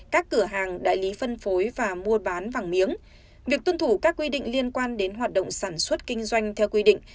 các cửa hàng đại lý phân phối và mua bán vàng miếng việc tuân thủ các quy định liên quan đến hoạt động sản xuất kinh doanh theo quy định